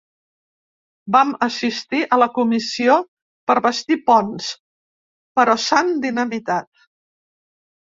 Vam assistir a la comissió per bastir ponts, però s’han dinamitat.